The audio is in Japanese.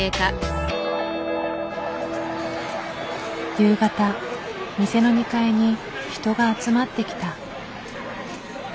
夕方店の２階に人が集まってきた。